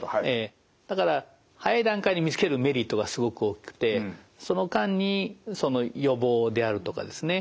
だから早い段階で見つけるメリットがすごく大きくてその間に予防であるとかですね